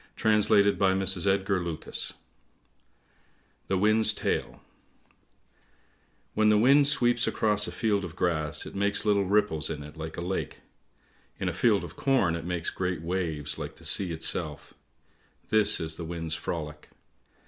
THE WIND'S TALE ABOUT WALDEMAR DAA AND HIS DAUGHTERS WHEN the wind sweeps across a field of grass it makes little ripples in it like a lake ; in a field of corn it makes great waves like the sea itself; this is the wind's frolic.